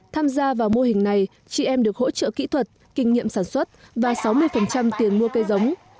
tham gia vào mô hình này chị em được hỗ trợ kỹ thuật kinh nghiệm sản xuất và sáu mươi tiền mua cây giống